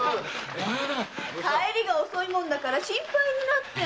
帰りが遅いもんだから心配になって！